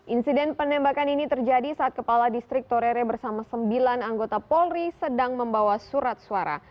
insiden penembakan ini terjadi saat kepala distrik torere bersama sembilan anggota polri sedang membawa surat suara